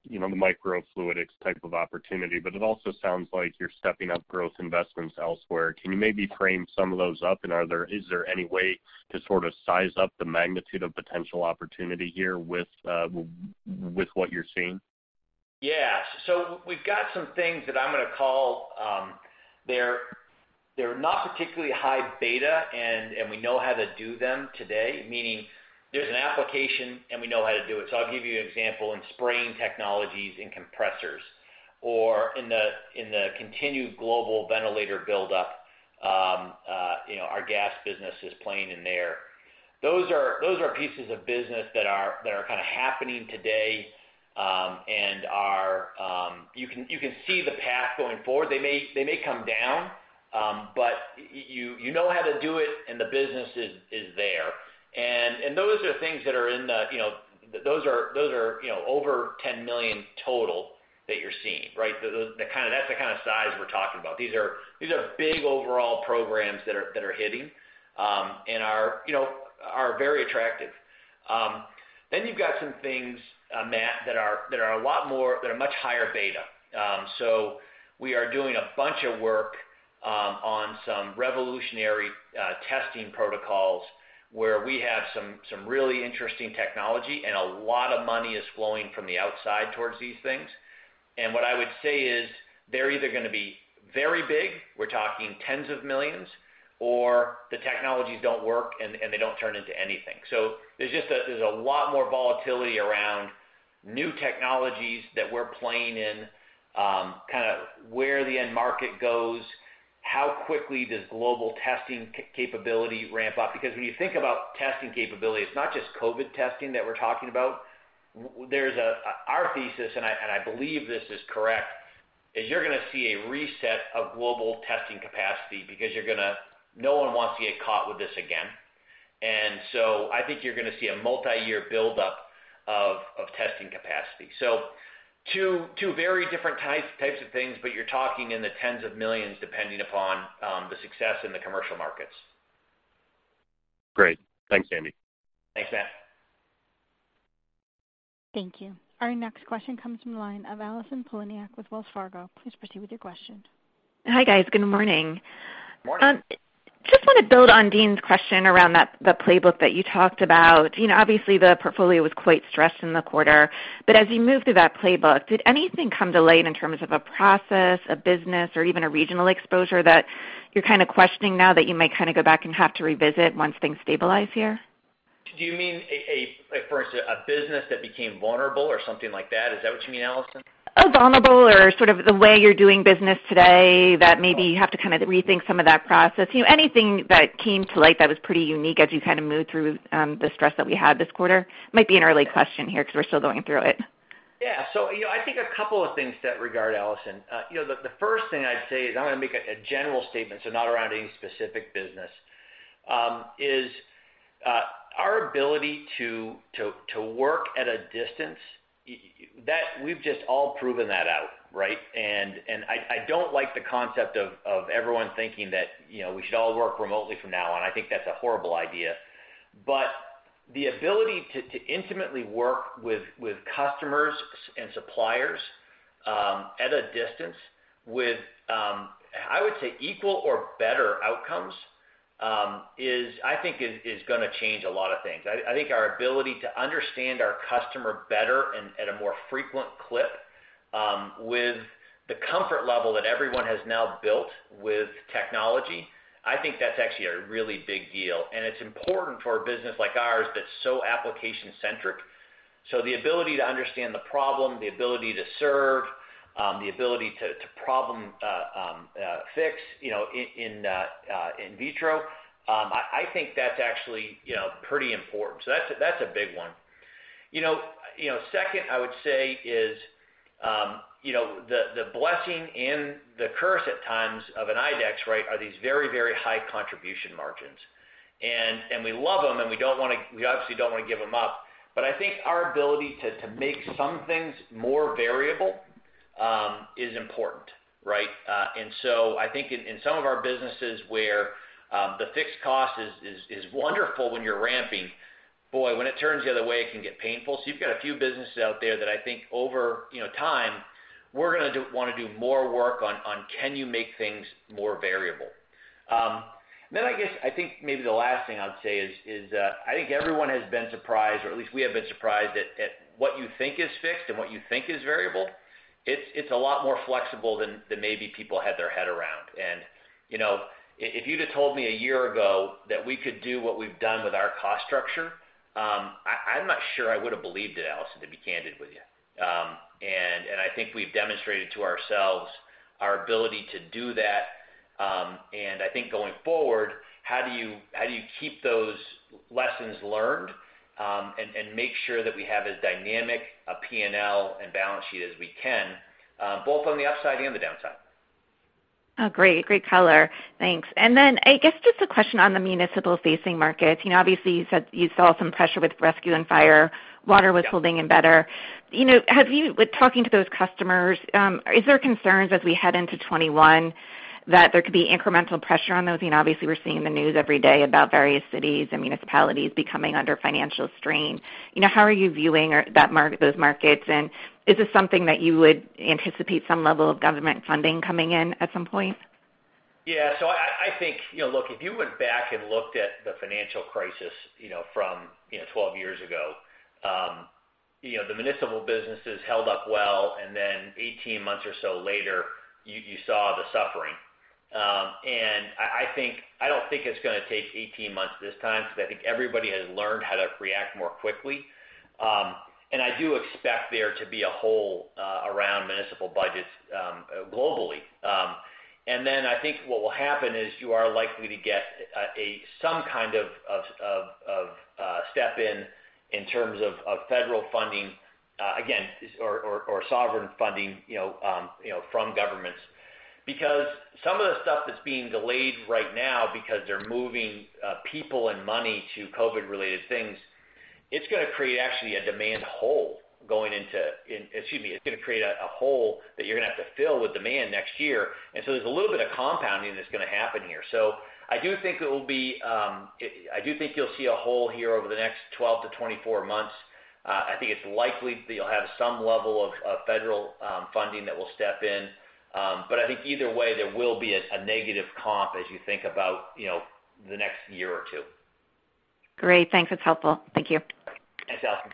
the Microfluidics type of opportunity, but it also sounds like you're stepping up growth investments elsewhere. Can you maybe frame some of those up? Is there any way to sort of size up the magnitude of potential opportunity here with what you're seeing? Yeah. We've got some things that I'm going to call, they're not particularly high beta and we know how to do them today, meaning there's an application and we know how to do it. I'll give you an example in spraying technologies in compressors or in the continued global ventilator buildup, our gas business is playing in there. Those are pieces of business that are kind of happening today, and you can see the path going forward. They may come down. You know how to do it and the business is there. Those are things that are over $10 million total that you're seeing, right? That's the kind of size we're talking about. These are big overall programs that are hitting, and are very attractive. You've got some things, Matt, that are much higher beta. We are doing a bunch of work on some revolutionary testing protocols where we have some really interesting technology. A lot of money is flowing from the outside towards these things. What I would say is they're either going to be very big, we're talking tens of millions, or the technologies don't work, and they don't turn into anything. There's a lot more volatility around new technologies that we're playing in, kind of where the end market goes, how quickly does global testing capability ramp up. When you think about testing capability, it's not just COVID-19 testing that we're talking about. Our thesis, and I believe this is correct, is you're going to see a reset of global testing capacity because no one wants to get caught with this again. I think you're going to see a multi-year buildup of testing capacity. Two very different types of things, but you're talking in the tens of millions, depending upon the success in the commercial markets. Great. Thanks, Andy. Thanks, Matt. Thank you. Our next question comes from the line of Allison Poliniak with Wells Fargo. Please proceed with your question. Hi, guys. Good morning. Morning. Just want to build on Deane's question around the playbook that you talked about. Obviously, the portfolio was quite stressed in the quarter, but as you moved through that playbook, did anything come to light in terms of a process, a business, or even a regional exposure that you're kind of questioning now that you might go back and have to revisit once things stabilize here? Do you mean, for instance, a business that became vulnerable or something like that? Is that what you mean, Allison? A vulnerable or sort of the way you're doing business today that maybe you have to kind of rethink some of that process. Anything that came to light that was pretty unique as you kind of moved through the stress that we had this quarter? Might be an early question here because we're still going through it. Yeah. I think a couple of things to that regard, Allison Poliniak. The first thing I'd say is, I'm going to make a general statement, so not around any specific business, is our ability to work at a distance, we've just all proven that out, right? I don't like the concept of everyone thinking that we should all work remotely from now on. I think that's a horrible idea, but the ability to intimately work with customers and suppliers, at a distance with, I would say equal or better outcomes, I think is going to change a lot of things. I think our ability to understand our customer better and at a more frequent clip, with the comfort level that everyone has now built with technology, I think that's actually a really big deal. It's important for a business like ours that's so application-centric. The ability to understand the problem, the ability to serve, the ability to problem fix in vitro, I think that's actually pretty important. That's a big one. Second, I would say is the blessing and the curse at times of an IDEX, right, are these very, very high contribution margins. We love them and we obviously don't want to give them up, but I think our ability to make some things more variable, is important, right? I think in some of our businesses where the fixed cost is wonderful when you're ramping, boy, when it turns the other way, it can get painful. You've got a few businesses out there that I think over time we're going to want to do more work on can you make things more variable? I guess, I think maybe the last thing I would say is, I think everyone has been surprised, or at least we have been surprised at what you think is fixed and what you think is variable. It's a lot more flexible than maybe people had their head around. If you'd have told me a year ago that we could do what we've done with our cost structure, I'm not sure I would've believed it, Allison, to be candid with you. I think we've demonstrated to ourselves our ability to do that. I think going forward, how do you keep those lessons learned, and make sure that we have as dynamic a P&L and balance sheet as we can, both on the upside and the downside. Oh, great. Great color. Thanks. I guess just a question on the municipal-facing markets. Obviously you said you saw some pressure with rescue and fire. Water was holding in better. With talking to those customers, is there concerns as we head into 2021 that there could be incremental pressure on those? Obviously we're seeing the news every day about various cities and municipalities becoming under financial strain. How are you viewing those markets, and is this something that you would anticipate some level of government funding coming in at some point? I think, look, if you went back and looked at the financial crisis from 12 years ago, the municipal businesses held up well, and then 18 months or so later you saw the suffering. I don't think it's going to take 18 months this time because I think everybody has learned how to react more quickly. I do expect there to be a hole around municipal budgets globally. I think what will happen is you are likely to get some kind of step in terms of federal funding again, or sovereign funding from governments. Some of the stuff that's being delayed right now, because they're moving people and money to COVID related things, it's going to create a hole that you're going to have to fill with demand next year. There's a little bit of compounding that's going to happen here. I do think you'll see a hole here over the next 12-24 months. I think it's likely that you'll have some level of federal funding that will step in. I think either way, there will be a negative comp as you think about the next year or two. Great. Thanks. That's helpful. Thank you. Thanks, Allison.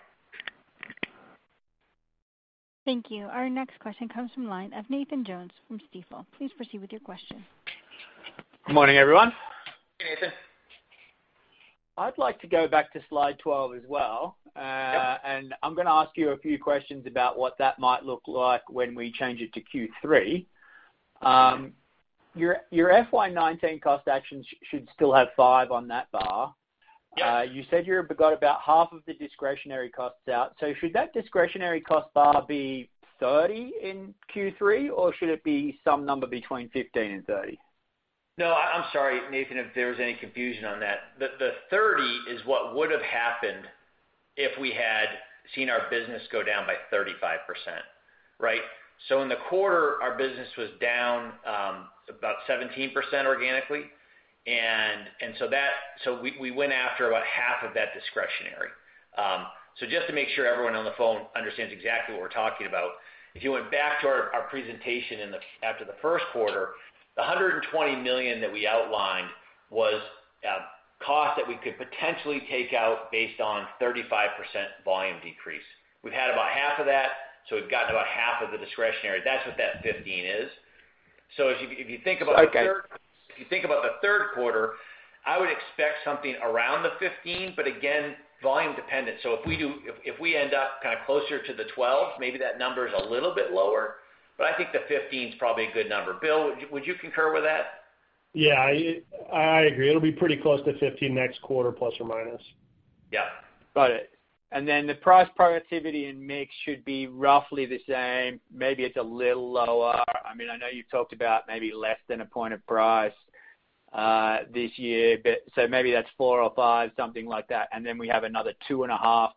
Thank you. Our next question comes from line of Nathan Jones from Stifel. Please proceed with your question. Good morning, everyone. Hey, Nathan. I'd like to go back to slide 12 as well. Yeah. I'm going to ask you a few questions about what that might look like when we change it to Q3. Your FY 2019 cost actions should still have five on that bar. Yeah. You said you got about half of the discretionary costs out. Should that discretionary cost bar be 30 in Q3, or should it be some number between 15 and 30? No, I'm sorry, Nathan, if there was any confusion on that. The $30 is what would have happened if we had seen our business go down by 35%. In the quarter, our business was down about 17% organically, and so we went after about half of that discretionary. Just to make sure everyone on the phone understands exactly what we're talking about, if you went back to our presentation after the first quarter, the $120 million that we outlined was cost that we could potentially take out based on 35% volume decrease. We've had about half of that, so we've gotten about half of the discretionary. That's what that $15 is. If you think about the third quarter, I would expect something around $15, but again, volume dependent. If we end up kind of closer to the 12, maybe that number is a little bit lower, but I think the 15 is probably a good number. Bill, would you concur with that? Yeah, I agree. It'll be pretty close to 15 next quarter, ±. Yeah. Got it. The price productivity and mix should be roughly the same. Maybe it's a little lower. I know you've talked about maybe less than a point of price this year, so maybe that's four or five, something like that. We have another two and a half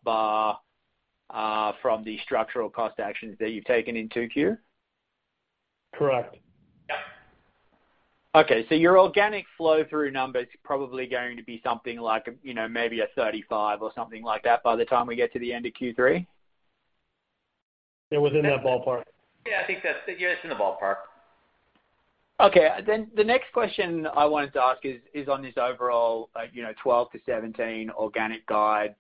from the structural cost actions that you've taken in 2Q? Correct. Yeah. Okay. Your organic flow-through number is probably going to be something like maybe a 35% or something like that by the time we get to the end of Q3? Yeah, within that ballpark. Yeah, I think that's in the ballpark. Okay. The next question I wanted to ask is on this overall 12-17 organic guide.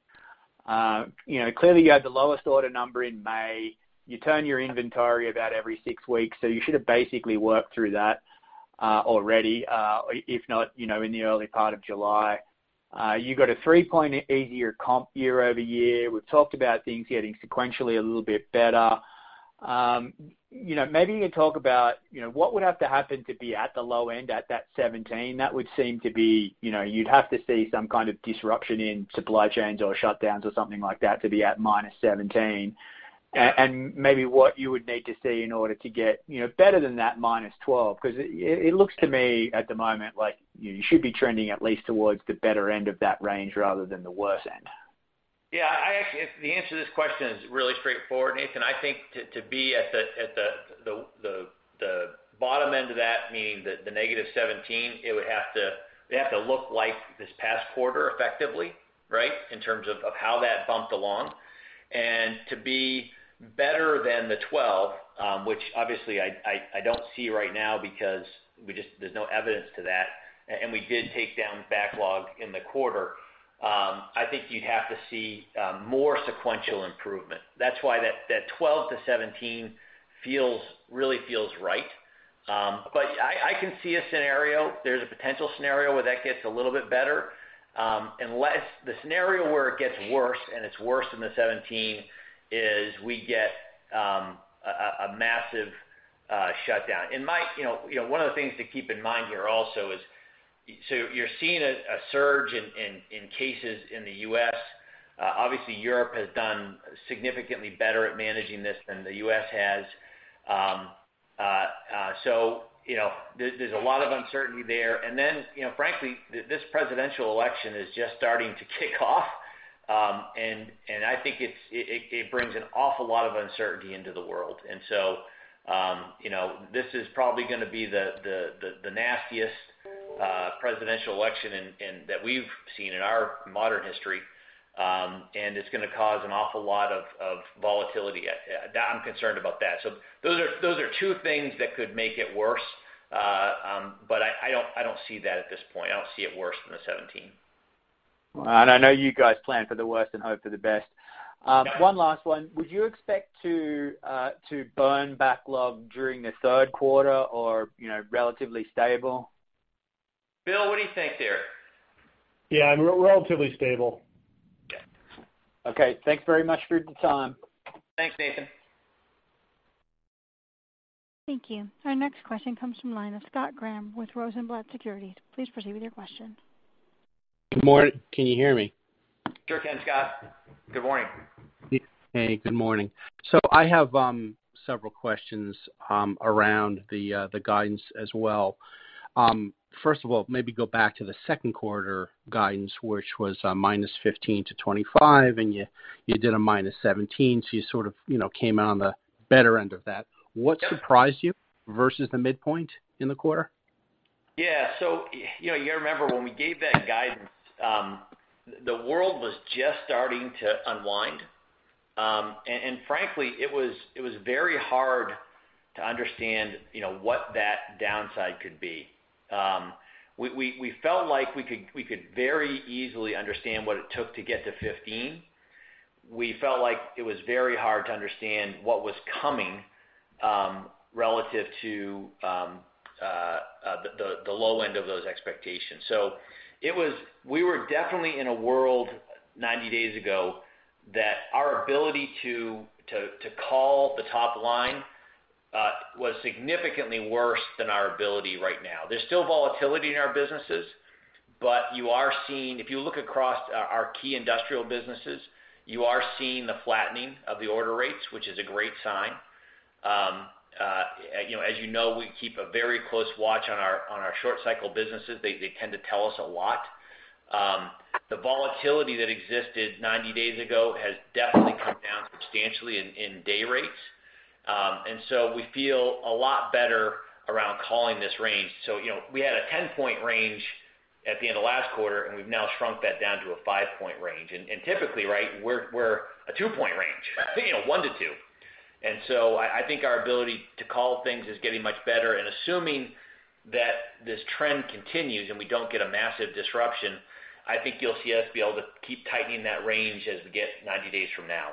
Clearly you had the lowest order number in May. You turn your inventory about every six weeks, so you should have basically worked through that already. If not, in the early part of July. You got a 3.8 year-over-year comp. We've talked about things getting sequentially a little bit better. Maybe you talk about what would have to happen to be at the low end at that 17. That would seem to be you'd have to see some kind of disruption in supply chains or shutdowns or something like that to be at -17. Maybe what you would need to see in order to get better than that -12, because it looks to me at the moment like you should be trending at least towards the better end of that range rather than the worse end. The answer to this question is really straightforward, Nathan. I think to be at the bottom end of that, meaning the -17, it would have to look like this past quarter effectively, in terms of how that bumped along. To be better than the 12, which obviously I don't see right now because there's no evidence to that, and we did take down backlog in the quarter. I think you'd have to see more sequential improvement. That's why that 12-17 really feels right. I can see a scenario. There's a potential scenario where that gets a little bit better. Unless the scenario where it gets worse and it's worse than the 17, is we get a massive shutdown. One of the things to keep in mind here also is, you're seeing a surge in cases in the U.S. Obviously Europe has done significantly better at managing this than the U.S. has. There's a lot of uncertainty there. Frankly, this presidential election is just starting to kick off. I think it brings an awful lot of uncertainty into the world. This is probably going to be the nastiest presidential election that we've seen in our modern history. It's going to cause an awful lot of volatility. I'm concerned about that. Those are two things that could make it worse. I don't see that at this point. I don't see it worse than the 17. I know you guys plan for the worst and hope for the best. Yeah. One last one. Would you expect to burn backlog during the third quarter or relatively stable? Bill, what do you think here? Yeah, relatively stable. Yeah. Okay. Thanks very much for the time. Thanks, Nathan. Thank you. Our next question comes from the line of Scott Graham with Rosenblatt Securities. Please proceed with your question. Good morning. Can you hear me? Sure can, Scott. Good morning. Hey, good morning. I have several questions around the guidance as well. First of all, maybe go back to the second quarter guidance, which was -15 to -25, and you did a -17%. You sort of came out on the better end of that. What surprised you versus the midpoint in the quarter? Yeah. You remember when we gave that guidance, the world was just starting to unwind. Frankly, it was very hard to understand what that downside could be. We felt like we could very easily understand what it took to get to 15. We felt like it was very hard to understand what was coming, relative to the low end of those expectations. We were definitely in a world 90 days ago that our ability to call the top line was significantly worse than our ability right now. There's still volatility in our businesses, but if you look across our key industrial businesses, you are seeing the flattening of the order rates, which is a great sign. As you know, we keep a very close watch on our short cycle businesses. They tend to tell us a lot. The volatility that existed 90 days ago has definitely come down substantially in day rates. We feel a lot better around calling this range. We had a 10-point range at the end of last quarter, and we've now shrunk that down to a five-point range. Typically, we're a two-point range, one to two. I think our ability to call things is getting much better. Assuming that this trend continues and we don't get a massive disruption, I think you'll see us be able to keep tightening that range as we get 90 days from now.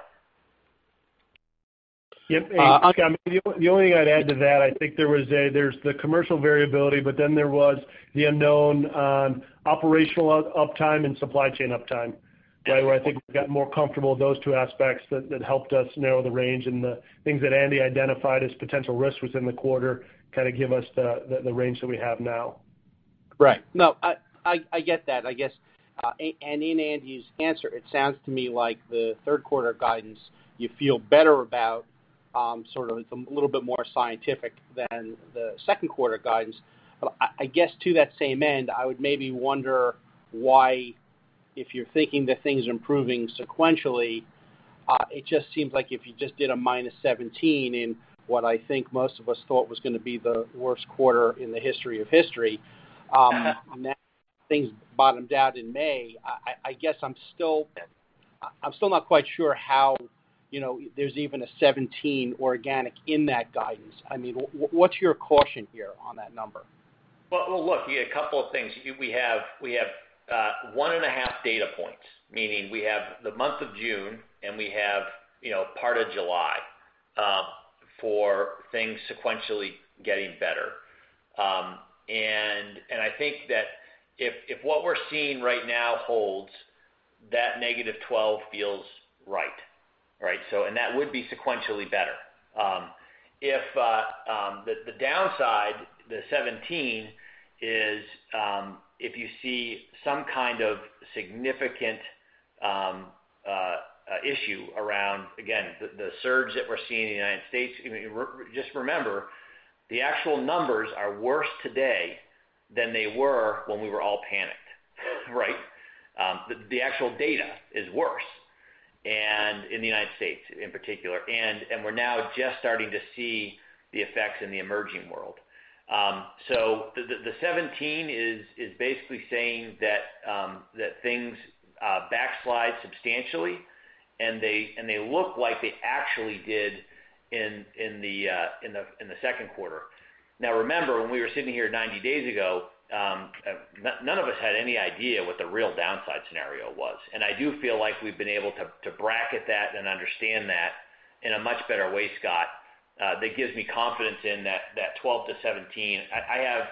Yep. The only thing I'd add to that, I think there's the commercial variability, but then there was the unknown on operational uptime and supply chain uptime. Right. Where I think we've got more comfortable with those two aspects that helped us narrow the range, and the things that Andy identified as potential risks within the quarter kind of give us the range that we have now. Right. No, I get that. I guess, in Andy's answer, it sounds to me like the third quarter guidance you feel better about, sort of it's a little bit more scientific than the second quarter guidance. I guess to that same end, I would maybe wonder why, if you're thinking that things are improving sequentially, it just seems like if you just did a -17% in what I think most of us thought was going to be the worst quarter in the history of history. Things bottomed out in May. I'm still not quite sure how there's even a 17 organic in that guidance. What's your caution here on that number? Well, look, a couple of things. We have one and a half data points, meaning we have the month of June and we have part of July for things sequentially getting better. I think that if what we're seeing right now holds, that -12 feels right. That would be sequentially better. The downside, the 17 is if you see some kind of significant issue around, again, the surge that we're seeing in the U.S. Just remember, the actual numbers are worse today than they were when we were all panicked, right. The actual data is worse, and in the U.S. in particular. We're now just starting to see the effects in the emerging world. The 17 is basically saying that things backslide substantially, and they look like they actually did in the second quarter. Remember, when we were sitting here 90 days ago, none of us had any idea what the real downside scenario was. I do feel like we've been able to bracket that and understand that in a much better way, Scott. That gives me confidence in that 12-17. I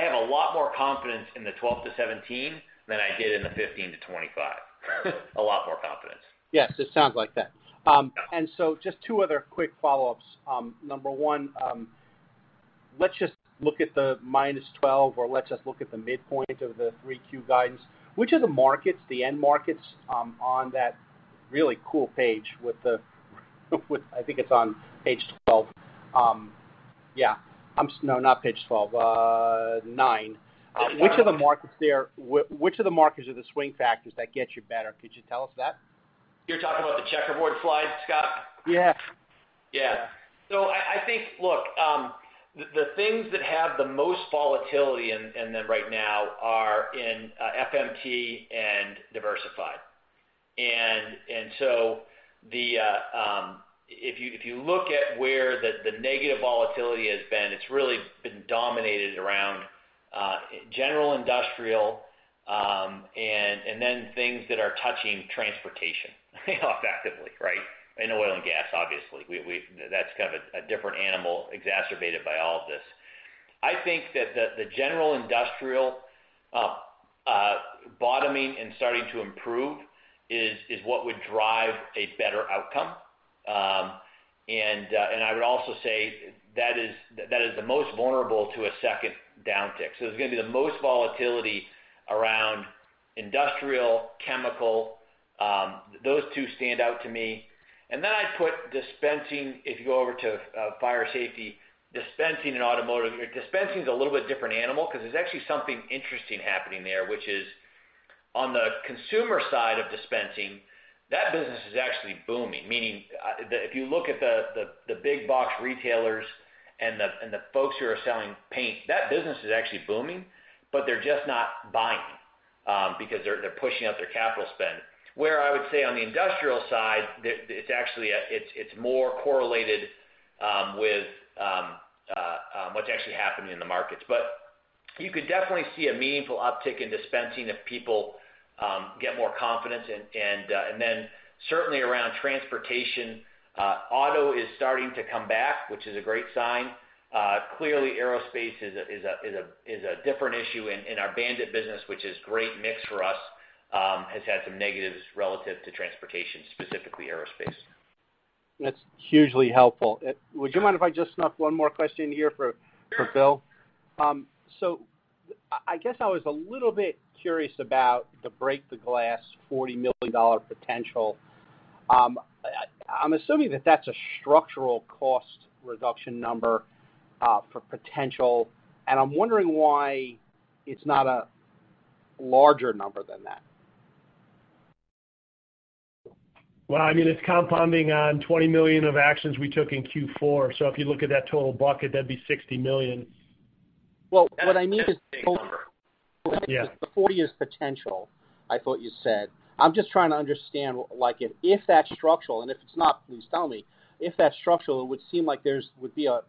have a lot more confidence in the 12-17 than I did in the 15-25. A lot more confidence. Yes, it sounds like that. Just two other quick follow-ups. Number one, let's just look at the -12, or let's just look at the midpoint of the 3Q guidance. Which of the markets, the end markets, on that really cool page with the I think it's on page 12. Yeah. No, not page 12. Nine. Which of the markets are the swing factors that get you better? Could you tell us that? You're talking about the checkerboard slide, Scott? Yeah. Yeah. I think, look, the things that have the most volatility in them right now are in FMT and Diversified. If you look at where the negative volatility has been, it's really been dominated around general industrial, then things that are touching transportation effectively, right? Oil and gas, obviously. That's kind of a different animal exacerbated by all of this. I think that the general industrial bottoming and starting to improve is what would drive a better outcome. I would also say that is the most vulnerable to a second downtick. There's going to be the most volatility around industrial, chemical, those two stand out to me. Then I'd put dispensing, if you go over to fire safety, dispensing in automotive. Dispensing's a little bit different animal because there's actually something interesting happening there, which is on the consumer side of dispensing, that business is actually booming. Meaning, if you look at the big box retailers and the folks who are selling paint, that business is actually booming, but they're just not buying, because they're pushing out their CapEx. I would say on the industrial side, it's more correlated with what's actually happening in the markets. You could definitely see a meaningful uptick in dispensing if people get more confidence. Certainly around transportation, auto is starting to come back, which is a great sign. Clearly aerospace is a different issue in our BAND-IT business, which is great mix for us, has had some negatives relative to transportation, specifically aerospace. That's hugely helpful. Would you mind if I just snuck one more question in here for Bill? I guess I was a little bit curious about the break the glass $40 million potential. I'm assuming that that's a structural cost reduction number, for potential, and I'm wondering why it's not a larger number than that. Well, it's compounding on $20 million of actions we took in Q4, so if you look at that total bucket, that'd be $60 million. Well, what I mean is. That's a big number. Yeah. The 40 is potential, I thought you said. I'm just trying to understand, if that's structural, and if it's not, please tell me. If that's structural, it would seem like there would be a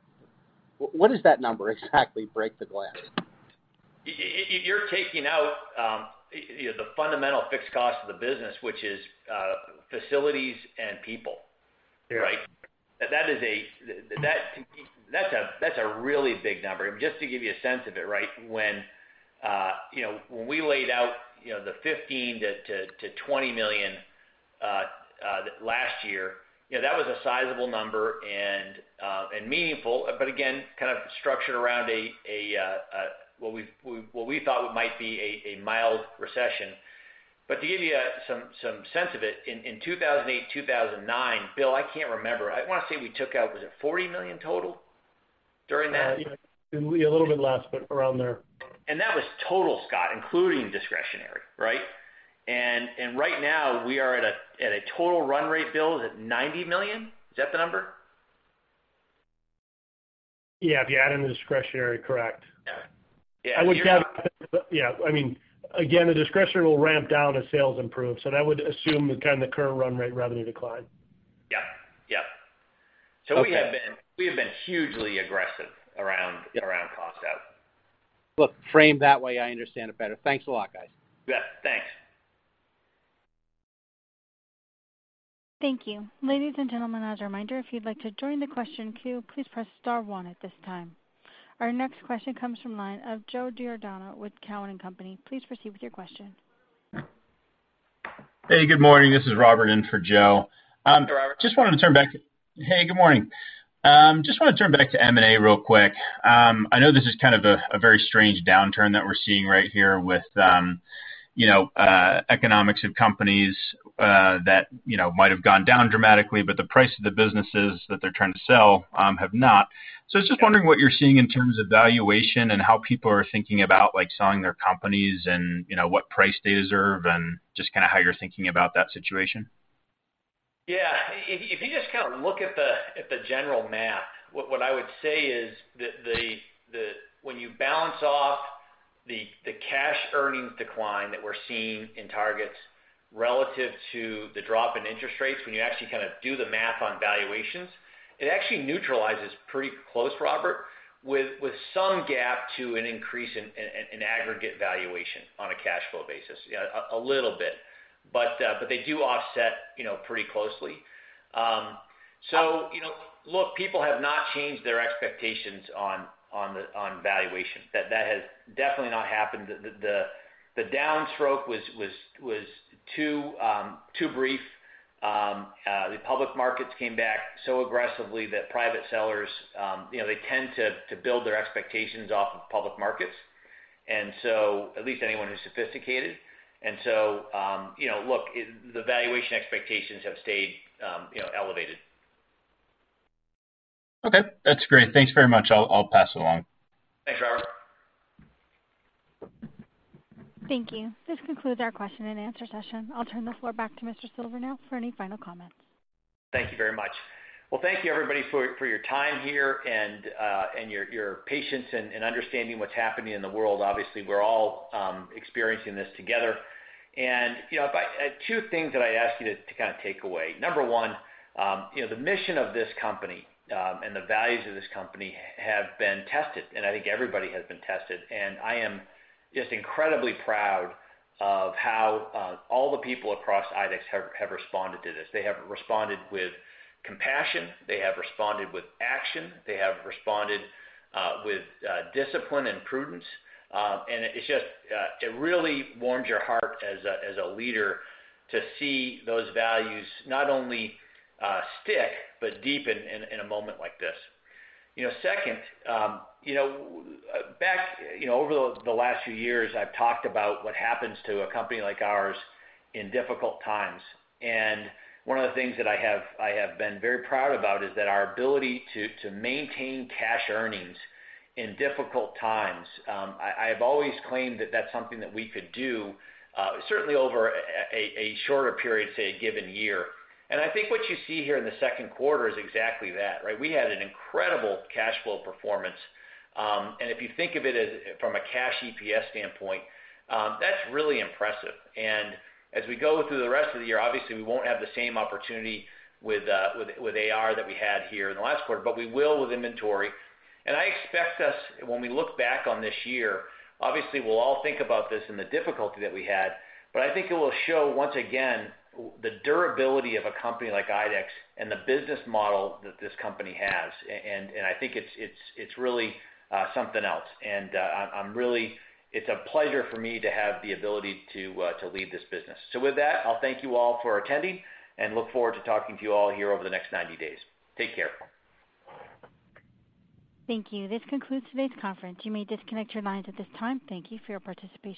What is that number exactly, break the glass? You're taking out the fundamental fixed cost of the business, which is facilities and people. Yeah. Right? That's a really big number. Just to give you a sense of it, right, when we laid out the $15 million-$20 million last year, that was a sizable number and meaningful, but again, kind of structured around what we thought might be a mild recession. To give you some sense of it, in 2008, 2009, Bill, I can't remember. I want to say we took out, was it $40 million total during that? Yeah, a little bit less, but around there. That was total, Scott, including discretionary. Right? Right now we are at a total run rate, Bill, is it $90 million? Is that the number? Yeah, if you add in the discretionary, correct. Yeah. I would gather. Yeah. The discretionary will ramp down as sales improve, so that would assume the kind of current run rate revenue decline. Yeah. We have been hugely aggressive around cost out. Look, framed that way, I understand it better. Thanks a lot, guys. Yeah. Thanks. Thank you. Ladies and gentlemen, as a reminder, if you'd like to join the question queue, please press star one at this time. Our next question comes from line of Joe Giordano with Cowen and Company. Please proceed with your question. Hey, good morning. This is Robert in for Joe. Hi, Robert. Hey, good morning. Just wanted to turn back to M&A real quick. I know this is kind of a very strange downturn that we're seeing right here with economics of companies that might have gone down dramatically, but the price of the businesses that they're trying to sell have not. I was just wondering what you're seeing in terms of valuation and how people are thinking about selling their companies and what price they deserve and just kind of how you're thinking about that situation? Yeah. If you just kind of look at the general math, what I would say is that when you balance off the cash earnings decline that we're seeing in targets relative to the drop in interest rates, when you actually kind of do the math on valuations, it actually neutralizes pretty close, Robert, with some gap to an increase in aggregate valuation on a cash flow basis. A little bit. They do offset pretty closely. Look, people have not changed their expectations on valuation. That has definitely not happened. The downstroke was too brief. The public markets came back so aggressively that private sellers, they tend to build their expectations off of public markets, at least anyone who's sophisticated. Look, the valuation expectations have stayed elevated. Okay. That's great. Thanks very much. I'll pass it along. Thanks, Robert. Thank you. This concludes our question and answer session. I'll turn the floor back to Mr. Silvernail now for any final comments. Thank you very much. Well, thank you everybody for your time here and your patience and understanding what's happening in the world. Obviously, we're all experiencing this together. Two things that I'd ask you to kind of take away. Number one, the mission of this company, and the values of this company have been tested, and I think everybody has been tested. I am just incredibly proud of how all the people across IDEX have responded to this. They have responded with compassion. They have responded with action. They have responded with discipline and prudence. It really warms your heart as a leader to see those values not only stick, but deepen in a moment like this. Second, back over the last few years, I've talked about what happens to a company like ours in difficult times. One of the things that I have been very proud about is that our ability to maintain cash earnings in difficult times. I have always claimed that that's something that we could do, certainly over a shorter period, say a given year. I think what you see here in the second quarter is exactly that, right? We had an incredible cash flow performance. If you think of it from a cash EPS standpoint, that's really impressive. As we go through the rest of the year, obviously we won't have the same opportunity with AR that we had here in the last quarter, but we will with inventory. I expect us, when we look back on this year, obviously we'll all think about this and the difficulty that we had, but I think it will show, once again, the durability of a company like IDEX and the business model that this company has. I think it's really something else. It's a pleasure for me to have the ability to lead this business. With that, I'll thank you all for attending and look forward to talking to you all here over the next 90 days. Take care. Thank you. This concludes today's conference. You may disconnect your lines at this time. Thank you for your participation.